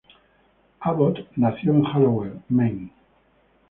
Abbott nació en Hallowell, Maine.